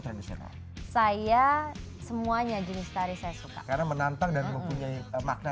tradisional saya semuanya jenis tari saya suka karena menantang dan mempunyai makna